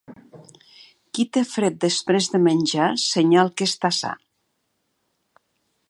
Qui té fred després de menjar, senyal que està sa.